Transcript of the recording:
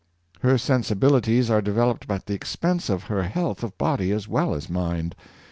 Her sensibilities are developed at the expense of her health of body as well as mind.